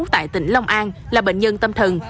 tại tỉnh long an là bệnh nhân tâm thần